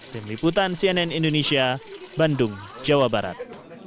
tim liputan cnn indonesia bandung jawa barat